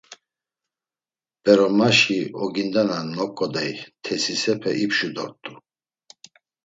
P̌eromaşi oginde na noǩodey tesisepe ipşu dort̆u.